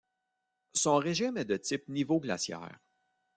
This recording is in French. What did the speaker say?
Son régime est de type nivo-glaciaire.